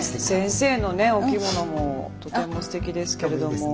先生のねお着物もとてもすてきですけれども。